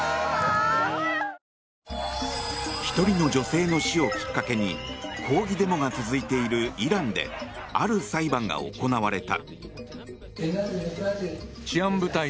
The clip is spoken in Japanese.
１人の女性の死をきっかけに抗議デモが続いているイランである裁判が行われた。